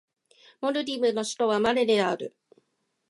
モルディブの首都はマレである